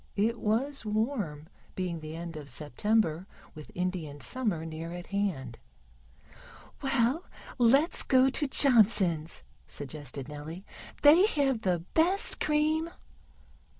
It was warm, being the end of September, with Indian Summer near at hand. "Well, let's go to Johnson's," suggested Nellie. "They have the best cream."